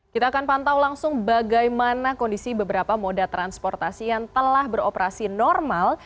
kita akan pantau langsung bagaimana kondisi beberapa moda transportasi yang telah beroperasi normal